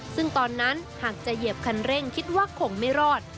ซึ่งตอนนั้นหากจะเหยียบคันเร่งคิดว่าคงไม่รอด